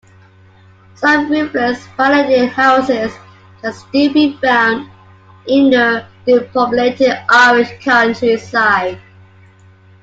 Some roofless Palladian houses can still be found in the depopulated Irish countryside.